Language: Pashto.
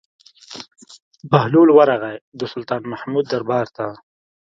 بهلول ورغى د سلطان محمود دربار ته.